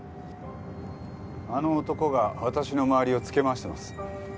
あの男が私の周りをつけ回してます。